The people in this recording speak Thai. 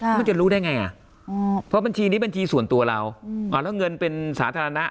แล้วมันจะรู้ได้ไงอ่ะเพราะบัญชีนี้บัญชีส่วนตัวเราแล้วเงินเป็นสาธารณะ